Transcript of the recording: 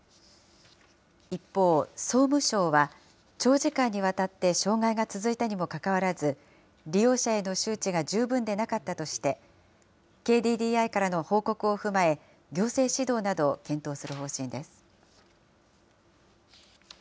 一方、総務省は、長時間にわたって障害が続いたにもかかわらず、利用者への周知が十分でなかったとして、ＫＤＤＩからの報告を踏まえ、行政指導などを検討する方針です。